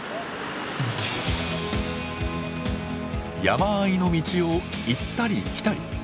山あいの道を行ったり来たり。